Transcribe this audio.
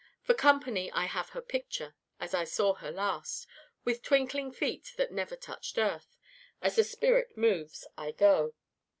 For company I have her picture as I saw her last with twinkling feet that never touched earth. As the spirit moves, I go.